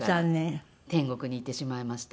天国に行ってしまいました。